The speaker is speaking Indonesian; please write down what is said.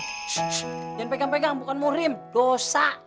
shhh shhh jangan pegang pegang bukan murim dosa